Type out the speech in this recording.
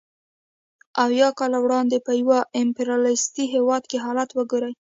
اویای کاله وړاندې په یو امپریالیستي هېواد کې حالت وګورئ